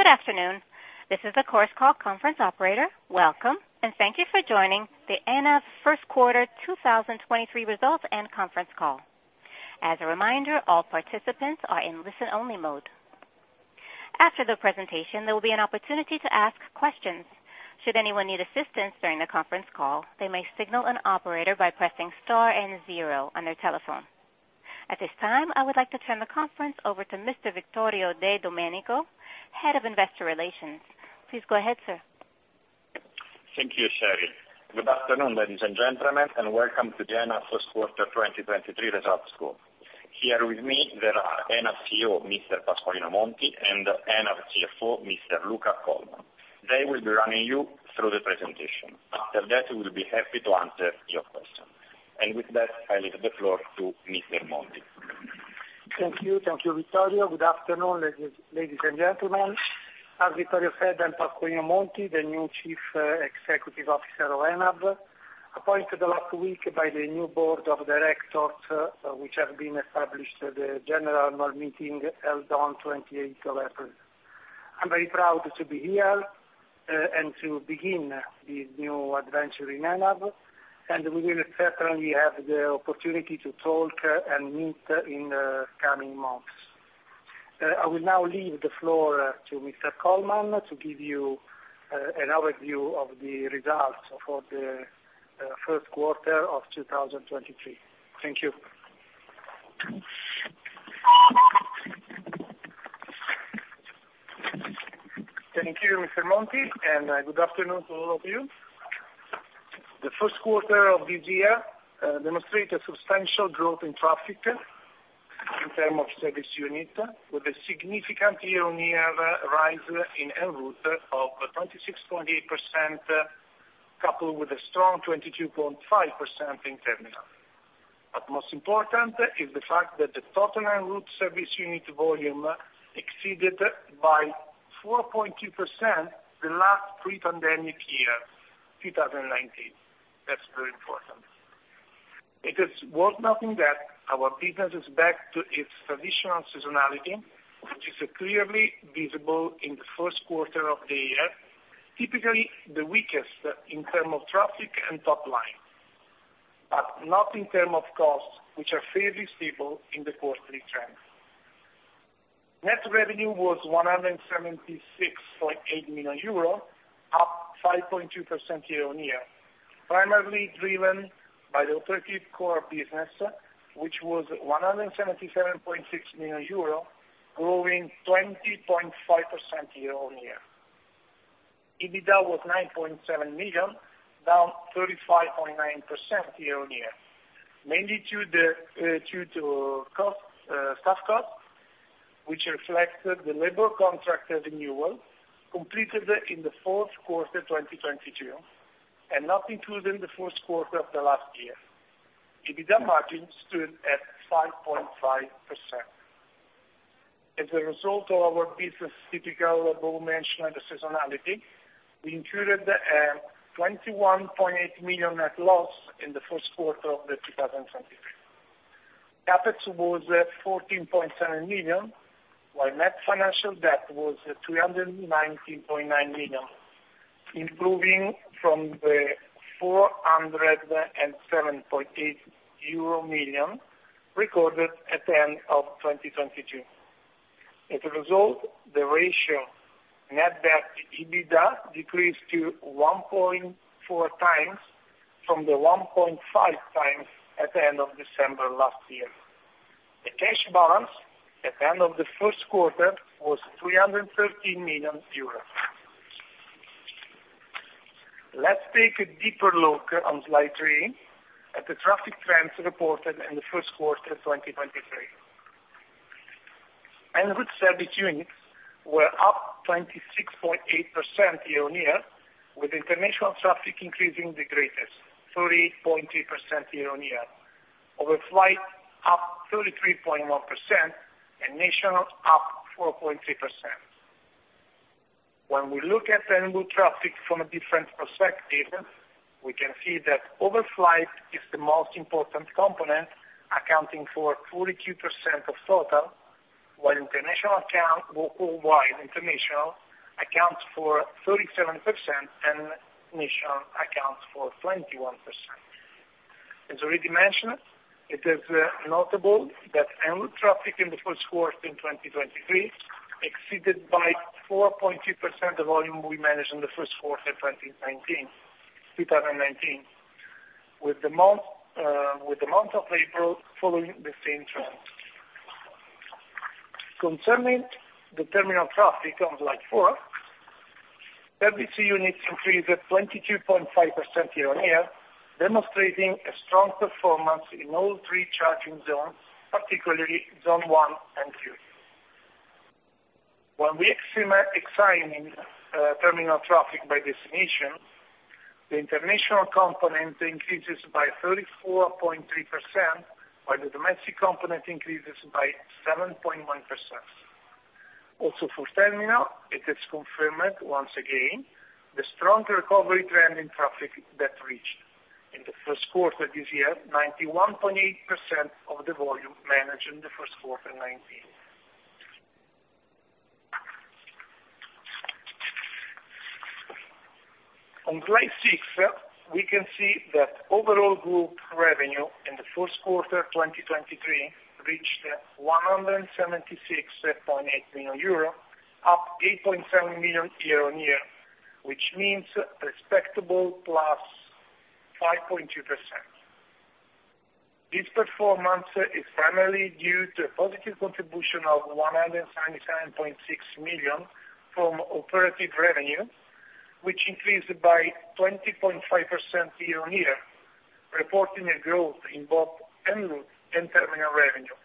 Good afternoon. This is the Chorus Call conference operator. Welcome, and thank you for joining the ENAV first quarter 2023 results and conference call. As a reminder, all participants are in listen-only mode. After the presentation, there will be an opportunity to ask questions. Should anyone need assistance during the conference call, they may signal an operator by pressing star and zero on their telephone. At this time, I would like to turn the conference over to Mr. Vittorio De Domenico, Head of Investor Relations. Please go ahead, sir. Thank you, Sherry. Good afternoon, ladies and gentlemen, and welcome to the ENAV first quarter 2023 results call. Here with me there are ENAV CEO, Mr. Pasqualino Monti, and ENAV CFO, Mr. Luca Colman. They will be running you through the presentation. After that, we will be happy to answer your questions. With that, I leave the floor to Mr. Monti. Thank you. Thank you, Vittorio. Good afternoon, ladies and gentlemen. As Vittorio said, I'm Pasqualino Monti, the new Chief Executive Officer of ENAV, appointed last week by the new board of directors, which have been established at the general annual meeting held on 28th of April. I'm very proud to be here and to begin this new adventure in ENAV. We will certainly have the opportunity to talk and meet in the coming months. I will now leave the floor to Mr. Colman to give you an overview of the results for the first quarter of 2023. Thank you. Thank you, Mr. Monti, and good afternoon to all of you. The first quarter of this year demonstrated substantial growth in traffic in term of service unit with a significant year-on-year rise in enroute of 26.8%, coupled with a strong 22.5% in terminal. Most important is the fact that the total enroute service unit volume exceeded by 4.2% the last pre-pandemic year, 2019. That's very important. It is worth noting that our business is back to its traditional seasonality, which is clearly visible in the first quarter of the year, typically the weakest in term of traffic and top line, but not in term of costs, which are fairly stable in the quarterly trend. Net revenue was 176.8 million euro, up 5.2% year-on-year, primarily driven by the operative core business, which was 177.6 million euro, growing 20.5% year-on-year. EBITDA was 9.7 million, down 35.9% year-on-year, mainly due to cost, staff cost, which reflected the labor contract renewal completed in the fourth quarter 2022 and not included in the first quarter of the last year. EBITDA margin stood at 5.5%. As a result of our business, typical above mentioned seasonality, we included 21.8 million net loss in the first quarter of 2023. CapEx was 14.7 million, while net financial debt was 319.9 million, improving from the 407.8 million euro recorded at the end of 2022. As a result, the ratio net debt to EBITDA decreased to 1.4x from the 1.5x at the end of December last year. The cash balance at the end of the first quarter was 313 million euros. Let's take a deeper look on slide three at the traffic trends reported in the first quarter 2023. En-route service units were up 26.8% year-on-year, with international traffic increasing the greatest, 30.3% year-on-year. Overflight up 33.1% and national up 4.3%. When we look at the en-route traffic from a different perspective, we can see that overflight is the most important component, accounting for 42% of total, while worldwide international accounts for 37% and national accounts for 21%. As already mentioned, it is notable that en-route traffic in the first quarter in 2023 exceeded by 4.2% the volume we managed in the first quarter of 2019, with the month of April following the same trend. Concerning the terminal traffic on slide four, service units increased 22.5% year-on-year, demonstrating a strong performance in all three charging zones, particularly Zone 1 and 3. When we examining terminal traffic by destination, the international component increases by 34.3%, while the domestic component increases by 7.1%. For terminal, it is confirmed once again the strong recovery trend in traffic that reached. In the first quarter this year, 91.8% of the volume managed in the first quarter 2019. On slide six, we can see that overall group revenue in the first quarter 2023 reached 176.8 million euro, up 8.7 million year-on-year, which means respectable +5.2%. This performance is primarily due to a positive contribution of 177.6 million from operative revenue, which increased by 20.5% year-on-year, reporting a growth in both en-route and terminal revenue,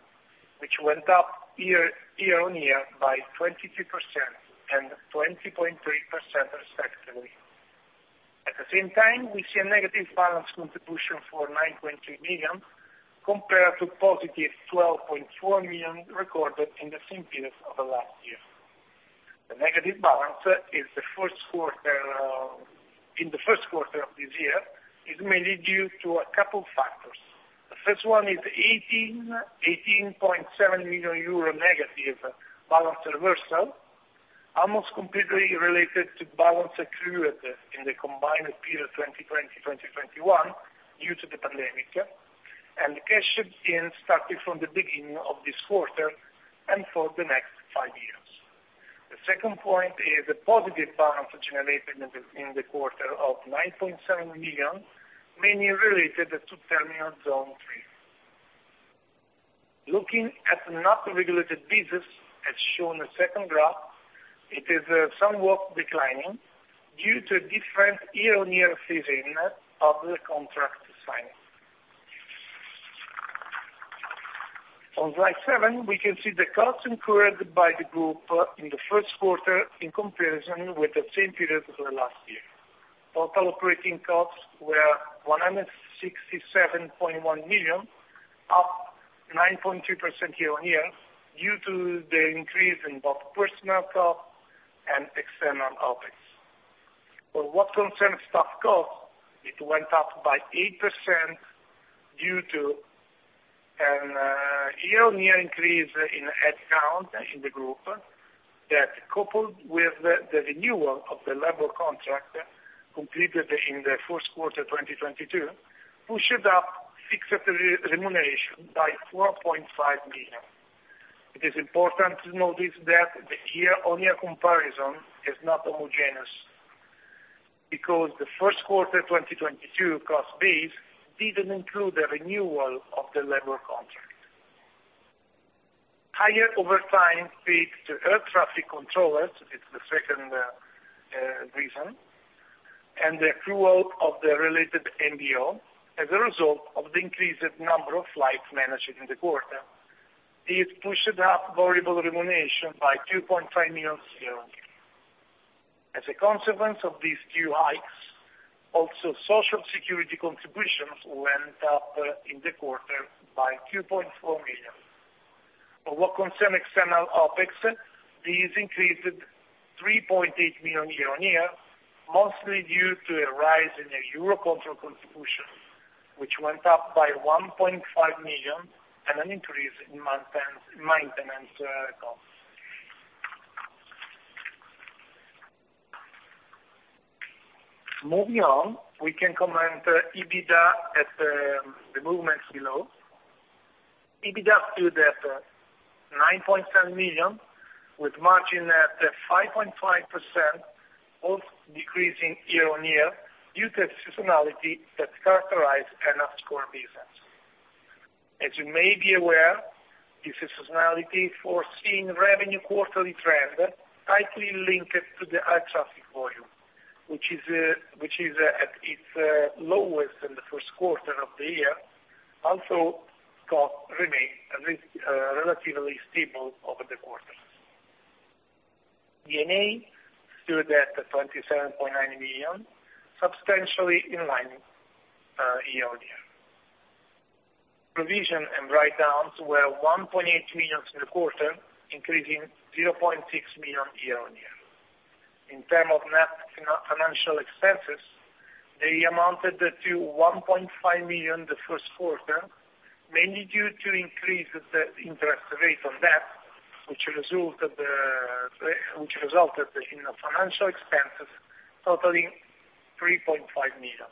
which went up year-on-year by 22% and 20.3% respectively. At the same time, we see a negative balance contribution for 9.3 million compared to positive 12.4 million recorded in the same period of the last year. The negative balance is the first quarter, in the first quarter of this year, is mainly due to a couple factors. The first one is 18.7 million euro negative balance reversal, almost completely related to balance accrued in the combined period 2020, 2021 due to the pandemic and cash in starting from the beginning of this quarter and for the next five years. The second point is a positive balance generated in the quarter of 9.7 million, mainly related to Terminal Zone 3. Looking at non-regulated business as shown the second graph, it is somewhat declining due to a different year-over-year seasoning of the contract signed. On slide seven, we can see the costs incurred by the group in the first quarter in comparison with the same period of the last year. Total operating costs were 167.1 million, up 9.2% year-on-year due to the increase in both personal costs and external OPEX. For what concerns staff costs, it went up by 8% due to an year-on-year increase in headcount in the group that coupled with the renewal of the labor contract completed in the first quarter 2022, pushed up fixed remuneration by 4.5 million. It is important to notice that the year-on-year comparison is not homogenous because the first quarter 2022 cost base didn't include the renewal of the labor contract. Higher overtime paid to air traffic controllers is the second reason, and the accrual of the related MBO as a result of the increased number of flights managed in the quarter. This pushed up variable remuneration by 2.5 million euros year-on-year. As a consequence of these two hikes, also social security contributions went up in the quarter by 2.4 million. For what concern external OPEX, these increased 3.8 million year-on-year, mostly due to a rise in the Eurocontrol contribution, which went up by 1.5 million and an increase in maintenance costs. Moving on, we can comment EBITDA at the movements below. EBITDA stood at 9.7 million with margin at 5.5%, both decreasing year-on-year due to seasonality that characterize ENAV's core business. As you may be aware, this seasonality foreseeing revenue quarterly trend tightly linked to the air traffic volume, which is at its lowest in the first quarter of the year, also costs remain at least relatively stable over the quarters. CNA stood at 27.9 million, substantially in line year-on-year. Provision and write-downs were 1.8 million in the quarter, increasing 0.6 million year-on-year. In term of net financial expenses, they amounted to 1.5 million the first quarter, mainly due to increase the interest rate on debt, which resulted in a financial expenses totaling 3.5 million,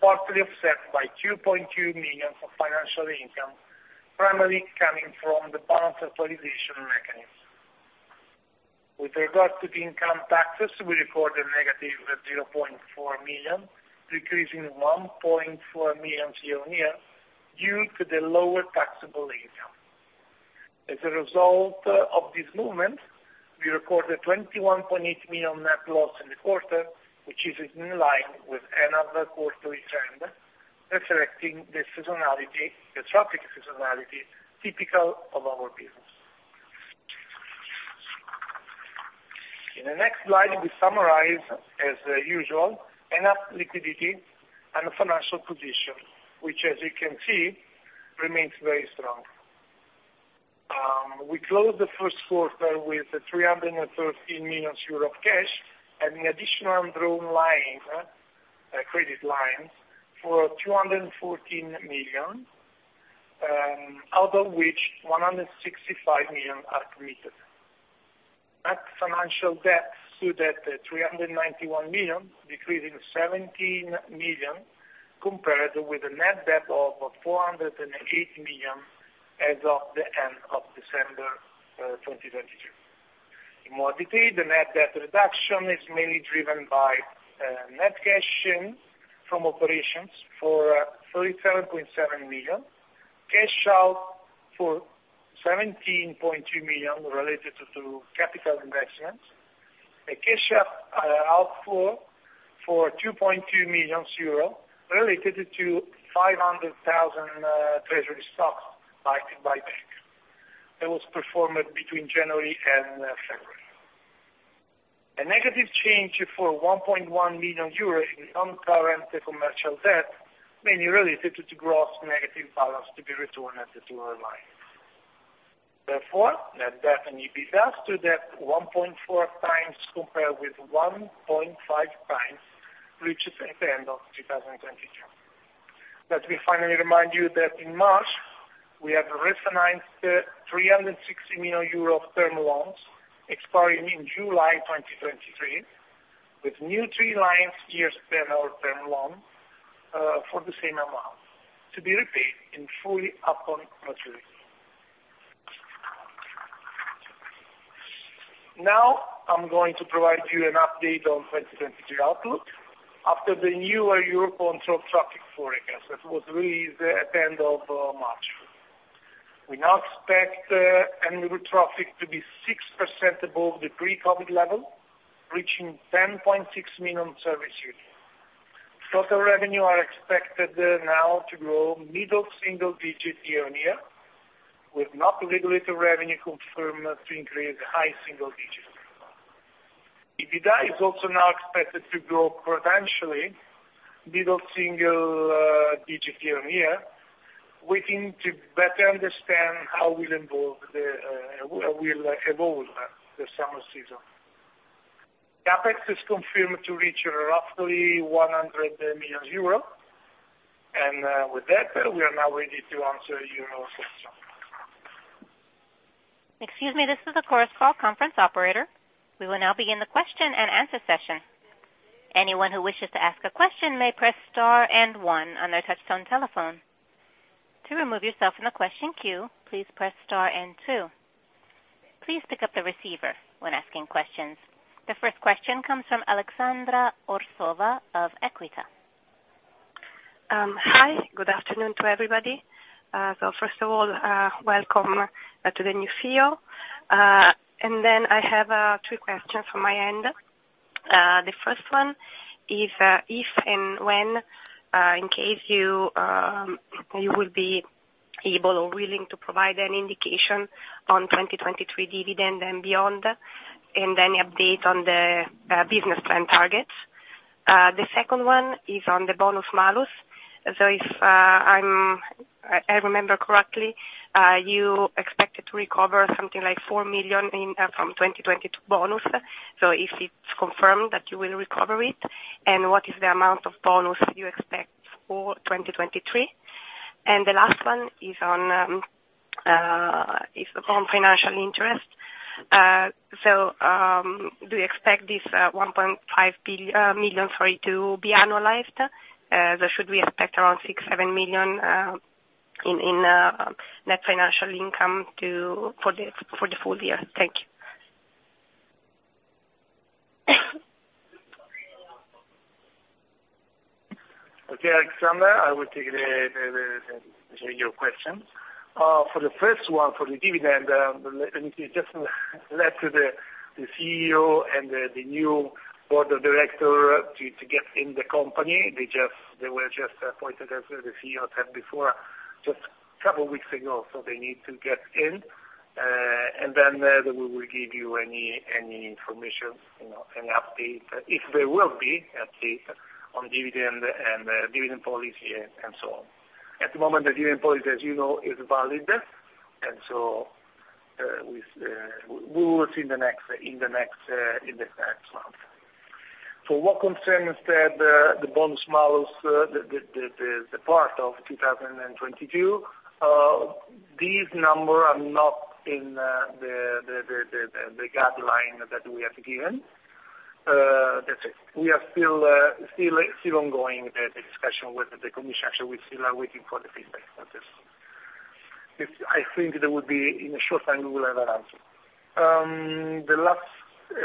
partly offset by 2.2 million of financial income primarily coming from the balance remuneration mechanism. With regard to the income taxes, we recorded negative 0.4 million, decreasing 1.4 million year-on-year due to the lower taxable income. As a result of this movement, we recorded 21.8 million net loss in the quarter, which is in line with ENAV quarterly trend, reflecting the seasonality, the traffic seasonality typical of our business. In the next slide, we summarize as usual, ENAV liquidity and financial position, which as you can see remains very strong. We closed the first quarter with 313 million euros cash and the additional drawn line, credit lines for 214 million, out of which 165 million are committed. Net financial debt stood at 391 million, decreasing 17 million compared with a net debt of 408 million as of the end of December 2022. In more detail, the net debt reduction is mainly driven by net cash in from operations for 37.7 million, cash out for 17.2 million related to capital investments, a cash out for 2.2 million euros related to 500,000 treasury stock buyback that was performed between January and February. A negative change for 1.1 million euros in on current commercial debt, mainly related to gross negative balance to be returned at the tariff line. Net debt and EBITDA stood at 1.4x compared with 1.5x reached at the end of 2022. Let me finally remind you that in March we have re-financed 360 million euro term loans expiring in July 2023, with new three lines years term loan for the same amount to be repaid in fully upon maturity. Now I'm going to provide you an update on 2022 outlook after the new Eurocontrol traffic forecast that was released at the end of March. We now expect annual traffic to be 6% above the pre-COVID level, reaching 10.6 million service units. Total revenue are expected now to grow middle single digits year-on-year, with not regulated revenue confirmed to increase high single digits. EBITDA is also now expected to grow potentially middle single digit year-on-year. We need to better understand how will evolve the summer season. CapEx is confirmed to reach roughly 100 million euros. With that, we are now ready to answer your questions. Excuse me, this is the Chorus Call conference operator. We will now begin the question and answer session. Anyone who wishes to ask a question may press star and one on their touch tone telephone. To remove yourself from the question queue, please press star and two. Please pick up the receiver when asking questions. The first question comes from Aleksandra Arsova of Equita. Hi, good afternoon to everybody. First of all, welcome to the new CEO. Then I have three questions from my end. The first one is if and when, in case you will be able or willing to provide an indication on 2023 dividend and beyond, and any update on the business plan targets. The second one is on the bonus-malus. If I remember correctly, you expected to recover something like 4 million in from 2022 bonus. If it's confirmed that you will recover it, and what is the amount of bonus you expect for 2023? The last one is on financial interest. Do you expect this 1.5 million, sorry, to be annualized? Should we expect around 6 million-7 million in net financial income for the full year? Thank you. Aleksandra, I will take the your question. For the first one, for the dividend, let me just let the CEO and the new board of director to get in the company. They were just appointed as the CEO time before, just couple weeks ago. They need to get in, and we will give you any information, you know, any update, if there will be update on dividend and dividend policy and so on. At the moment, the dividend policy, as you know, is valid. We will see in the next month. For what concerns the bonus-malus, the part of 2022, these number are not in the guideline that we have given. That's it. We are still ongoing the discussion with the Commission. Actually, we still are waiting for the feedback on this. I think that would be in a short time we will have an answer. The last,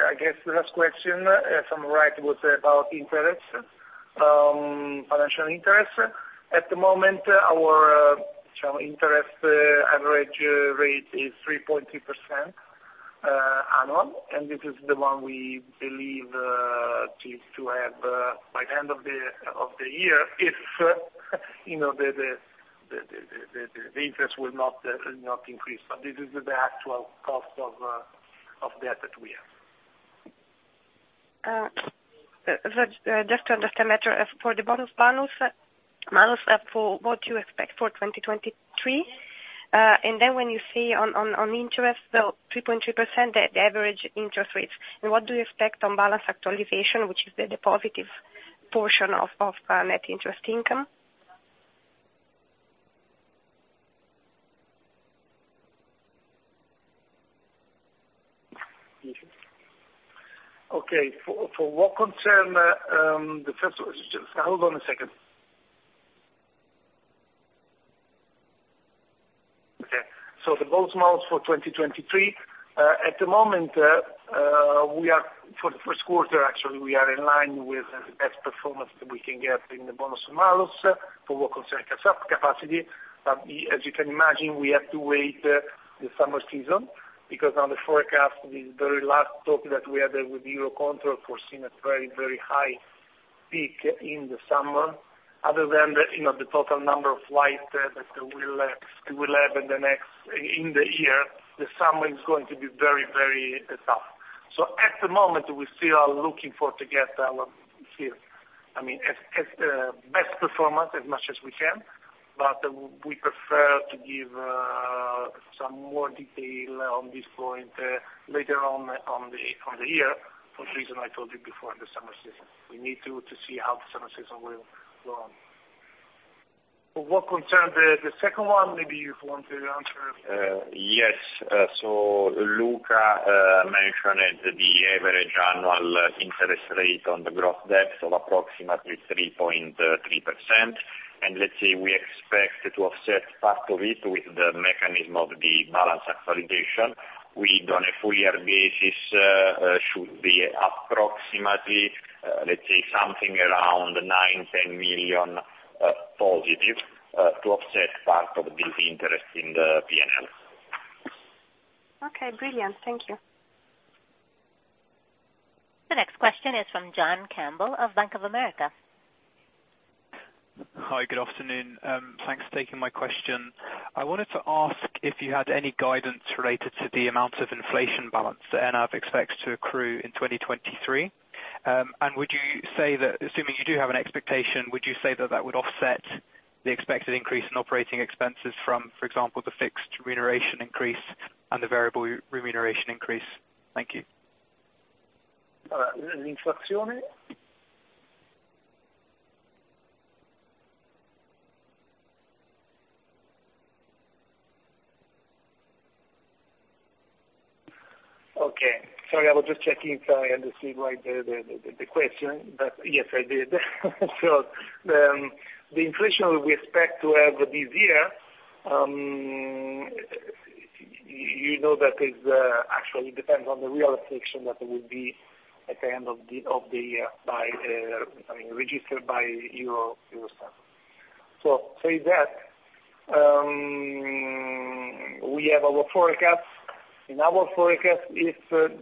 I guess the last question, if I'm right, was about interest, financial interest. At the moment our shall we interest average rate is 3.2% annual, and this is the one we believe to have by the end of the year if, you know, the interest will not increase. This is the actual cost of debt that we have. Just to understand better, for the bonus models, for what you expect for 2023, and then when you say on interest, the 3.3%, the average interest rates, and what do you expect on balance actualization, which is the positive portion of net interest income? Okay. For what concern, Just hold on a second. Okay. The bonus models for 2023, at the moment, for the first quarter, actually, we are in line with the best performance that we can get in the bonus models for what concerns us capacity, but as you can imagine, we have to wait, the summer season because on the forecast, the very last talk that we had with Eurocontrol foreseen a very, very high peak in the summer. Other than the, you know, the total number of flights, that we'll have in the next, in the year, the summer is going to be very, very tough. At the moment, we still are looking for to get our share. I mean, as best performance, as much as we can, but we prefer to give some more detail on this point later on the year, for the reason I told you before, the summer season. We need to see how the summer season will go on. For what concern the second one, maybe you want to answer. Yes. Luca mentioned the average annual interest rate on the gross debts of approximately 3.3%. Let's say we expect to offset part of it with the mechanism of the balance actualization. We, on a full year basis, should be approximately, let's say something around 9 million-10 million positive to offset part of this interest in the P&L. Okay, brilliant. Thank you. The next question is from John Campbell of Bank of America. Hi. Good afternoon. Thanks for taking my question. I wanted to ask if you had any guidance related to the amount of inflation balance that ENAV expects to accrue in 2023. Would you say that, assuming you do have an expectation, would you say that that would offset the expected increase in operating expenses from, for example, the fixed remuneration increase and the variable remuneration increase? Thank you. The inflation? Okay. Sorry, I was just checking if I understood right the question, but yes, I did. The inflation we expect to have this year, you know that actually depends on the real inflation that will be at the end of the year by, I mean, registered by Eurostat. Say that we have our forecast. In our forecast, if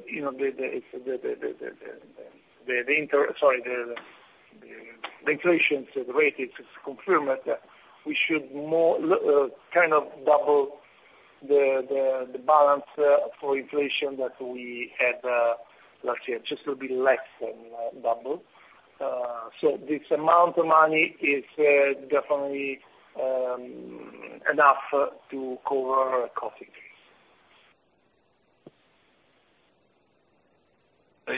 you know, if the inflation rate is confirmed, we should kind of double the balance for inflation that we had last year. Just a little bit less than double. This amount of money is definitely enough to cover our cost increase.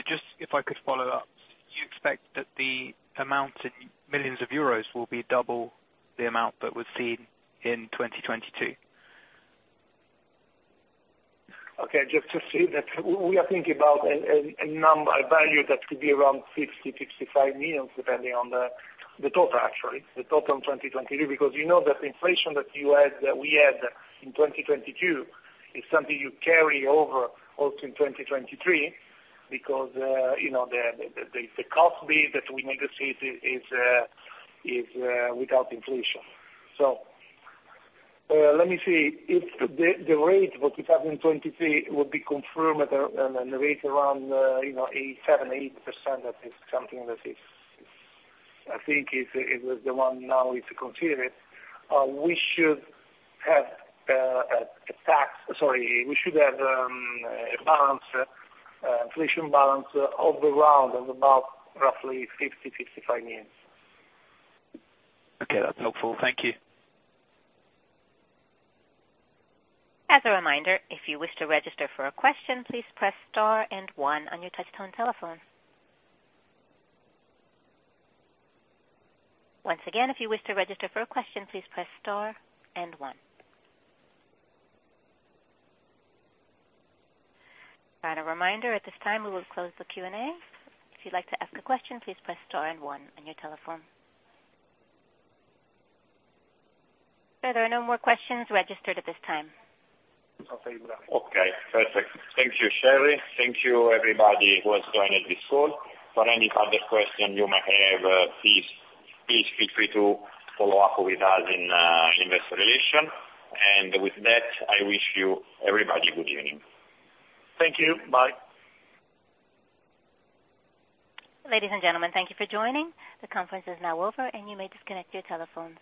Just if I could follow up, you expect that the amount in millions of euros will be double the amount that was seen in 2022? Okay. Just to say that we are thinking about a number, a value that could be around 50 million-65 million, depending on the total actually, the total in 2022. You know that inflation that you had, that we had in 2022 is something you carry over also in 2023 because, you know, the cost base that we negotiate is without inflation. Let me see. If the rate for 2023 would be confirmed at a rate around, you know, 87%, 8%, that is something that is, I think is the one now is considered, we should have a tax... Sorry, we should have a balance, inflation balance of around, of about roughly 50 million-65 million. Okay. That's helpful. Thank you. As a reminder, if you wish to register for a question, please press star and one on your touchtone telephone. Once again, if you wish to register for a question, please press star and one. A reminder, at this time, we will close the Q&A. If you'd like to ask a question, please press star and one on your telephone. Sir, there are no more questions registered at this time. Okay. Okay, perfect. Thank you, Sherry. Thank You, everybody who has joined this call. For any further question you might have, please feel free to follow up with us in Investor Relations. With that, I wish you, everybody, good evening. Thank you. Bye. Ladies and gentlemen, thank you for joining. The conference is now over, and you may disconnect your telephones.